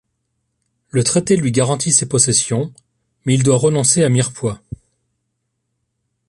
Le traité lui garantit ses possessions, mais il doit renoncer à Mirepoix.